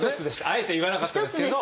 あえて言わなかったですけど。